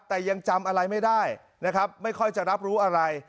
แต่ยังจำอะไรไม่ได้นะครับไม่ค่อยจะรับรู้อะไร